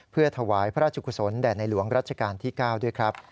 เพื่อถวายพระราชกุศลแด่ในหลวงรัชกาลที่๙ด้วยครับ